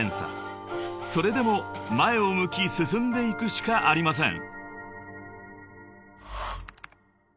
［それでも前を向き進んでいくしかありません］